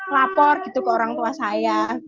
lapor gitu ke orang tua saya